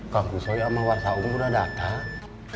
kang dusoye sama warsaung sudah datang